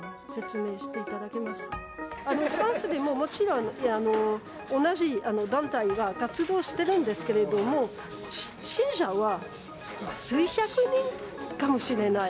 フランスでももちろん同じ団体が、活動してるんですけれども、信者は数百人かもしれない。